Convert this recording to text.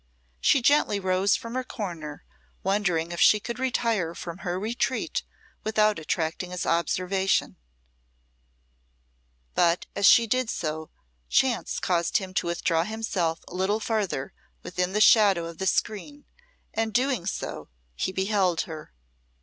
She gently rose from her corner, wondering if she could retire from her retreat without attracting his observation; but as she did so, chance caused him to withdraw himself a little farther within the shadow of the screen, and doing so, he beheld her.